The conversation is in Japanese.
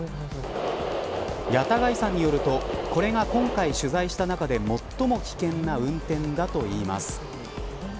谷田貝さんによるとこれが今回取材した中で最も危険な運転だといいます。